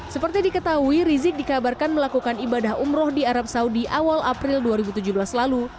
seperti diketahui rizik dikabarkan melakukan ibadah umroh di arab saudi awal april dua ribu tujuh belas lalu